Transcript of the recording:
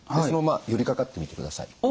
そのまま寄りかかってみてください。